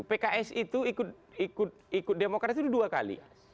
pks itu ikut demokrasi itu dua kali